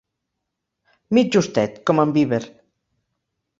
Mig justet, com en Beaver.